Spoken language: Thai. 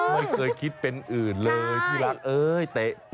ไม่เคยคิดเป็นอื่นเลย